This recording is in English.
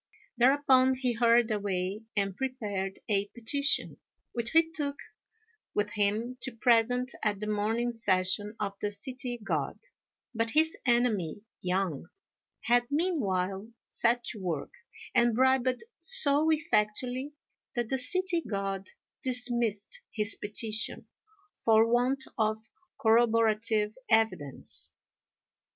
Thereupon he hurried away, and prepared a petition, which he took with him to present at the morning session of the City God; but his enemy, Yang, had meanwhile set to work, and bribed so effectually, that the City God dismissed his petition for want of corroborative evidence.